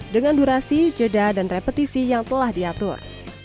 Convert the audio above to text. dengan durasi jeda dan repetisi yang telah diatur